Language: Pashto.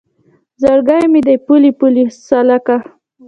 زړګی مې دی پولۍ پولۍ سالکه